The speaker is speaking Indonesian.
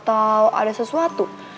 atau ada sesuatu